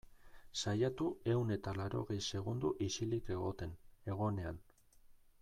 Saiatu ehun eta laurogei segundo isilik egoten, egonean.